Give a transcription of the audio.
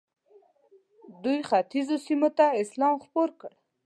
دوی ختیځو سیمو ته اسلام خپور کړ.